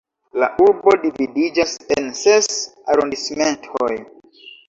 La urbo dividiĝas en ses arondismentoj.